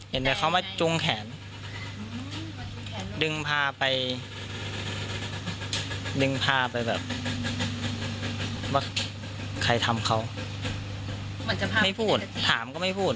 เห็นแต่เขามาจุงแขนดึงพาไปดึงพาไปแบบว่าใครทำเขาเหมือนจะพาไม่พูดถามก็ไม่พูด